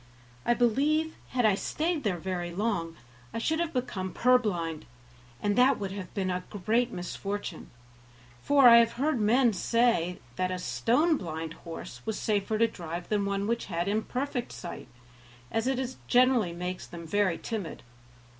I believe, had I stayed there very long, I should have become purblind, and that would have been a great misfortune, for I have heard men say that a stone blind horse was safer to drive than one which had imperfect sight, as it generally makes them very timid.